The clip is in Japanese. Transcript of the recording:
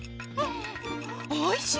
おいしい！